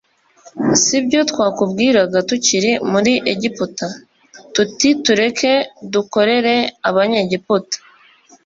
si byo twakubwiraga tukiri muri egiputa tuti tureke dukorere abanyegiputa